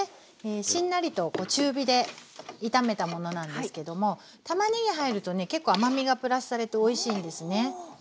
しんなりと中火で炒めたものなんですけどもたまねぎ入るとね結構甘みがプラスされておいしいんですね。